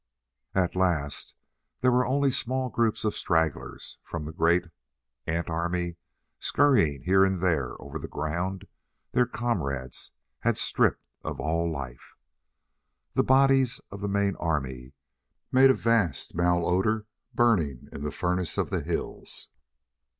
At last there were only small groups of stragglers from the great ant army scurrying here and there over the ground their comrades had stripped of all life. The bodies of the main army made a vast malodor, burning in the furnace of the hills.